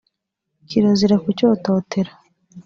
kirazira kucyototera